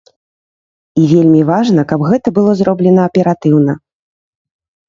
І вельмі важна, каб гэта было зроблена аператыўна.